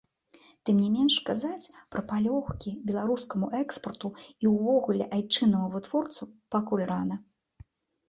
Тым не менш казаць пра палёгкі беларускаму экспарту і ўвогуле айчыннаму вытворцу пакуль рана.